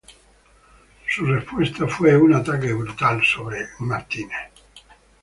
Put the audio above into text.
Su respuesta fue un ataque brutal sobre Shane.